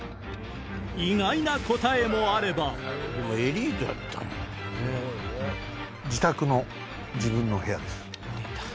意外な答えもあれば自宅の自分の部屋です。